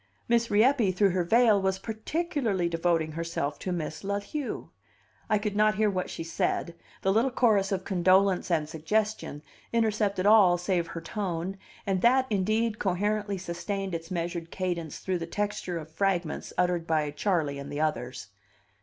Miss Rieppe, through her veil, was particularly devoting herself to Miss La Lieu. I could not hear what she said; the little chorus of condolence and suggestion intercepted all save her tone, and that, indeed, coherently sustained its measured cadence through the texture of fragments uttered by Charley and the others.